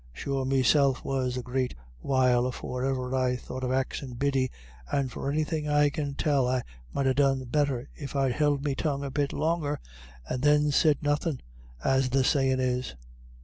Sure meself was a great while afore ever I thought of axin' Biddy, and for anythin' I can tell I might ha' done better if I'd held me tongue a bit longer and then said nothin', as the sayin' is.